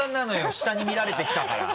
下に見られてきたから。